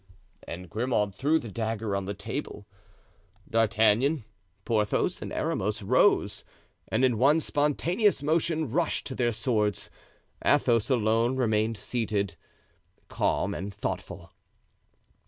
And Grimaud threw the dagger on the table. D'Artagnan, Porthos and Aramis rose and in one spontaneous motion rushed to their swords. Athos alone remained seated, calm and thoughtful.